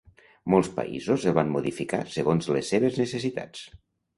Molts països el van modificar segons les seves necessitats.